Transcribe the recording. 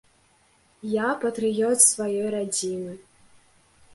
Я патрыёт сваёй радзімы.